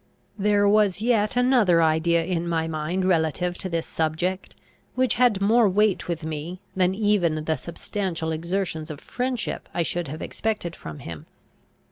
There was yet another idea in my mind relative to this subject, which had more weight with me, than even the substantial exertions of friendship I should have expected from him.